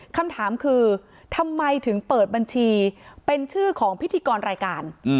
คำถามคือทำไมถึงเปิดบัญชีเป็นชื่อของพิธีกรรายการ